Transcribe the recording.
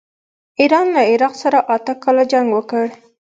ایران له عراق سره اته کاله جنګ وکړ.